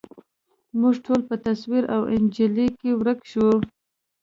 موږ ټول په تصویر او انجلۍ کي ورک شوو